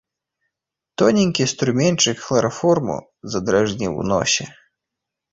Тоненькі струменьчык хлараформу задражніў у носе.